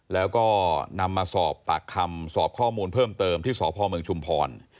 แล้วก็นำมาสอบปากคำสอบข้อมูลเพิ่มเติมที่สพเมืองชุมพร